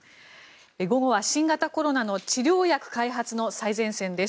午後は新型コロナの治療薬開発の最前線です。